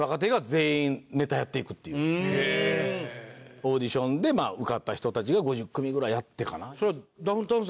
オーディションで受かった人たちが５０組ぐらいやってかな？